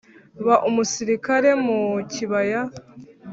ba umusirikare mu kibaya